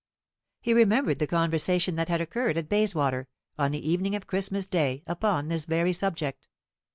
He remembered the conversation that had occurred at Bayswater, on the evening of Christmas day, upon this very subject.